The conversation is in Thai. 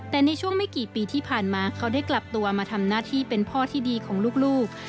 แต่ในช่วงไม่กี่ปีที่ผ่านมาเขาได้กลับตัวมาทำหน้าที่เป็นพ่อที่ดีของลูก